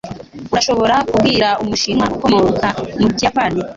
Urashobora kubwira Umushinwa ukomoka mu Kiyapani?